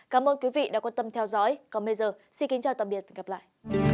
cảm ơn quý vị đã quan tâm theo dõi còn bây giờ xin kính chào tạm biệt và hẹn gặp lại